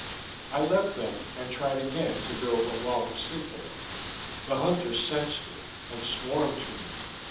I left them, and tried again to build a long signaller. The Hunters sensed it, and swarmed to me.